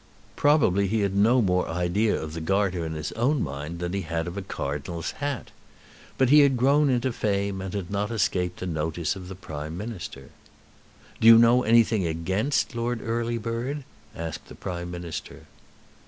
Probably he had no more idea of the Garter in his own mind than he had of a Cardinal's hat. But he had grown into fame, and had not escaped the notice of the Prime Minister. "Do you know anything against Lord Earlybird?" asked the Prime Minister.